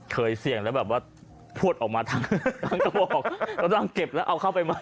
เคยเสี่ยงแล้วแบบว่าพวดออกมาทั้งกระบอกแล้วนางเก็บแล้วเอาเข้าไปใหม่